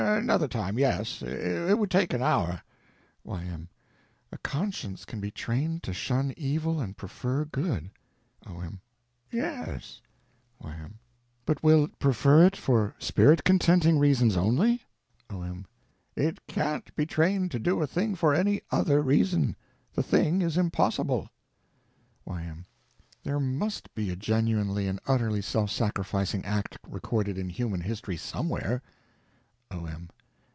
Another time, yes. It would take an hour. Y.M. A conscience can be trained to shun evil and prefer good? O.M. Yes. Y.M. But will it for spirit contenting reasons only? O.M. It can't be trained to do a thing for any other reason. The thing is impossible. Y.M. There must be a genuinely and utterly self sacrificing act recorded in human history somewhere. O.M.